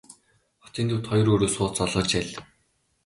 Хотын төвд хоёр өрөө сууц олгож аль.